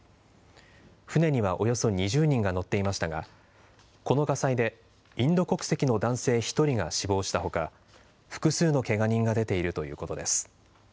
船には、およそ２０人が乗っていましたがこの火災でインド国籍の男性１人が死亡したほか複数のけが人が出ているということです。